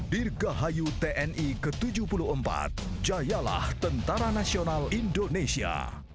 dirgahayu tni ke tujuh puluh empat jayalah tentara nasional indonesia